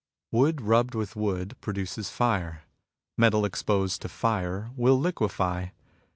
Wood rubbed with wood produces fire. Metal exposed to fire will liquefy.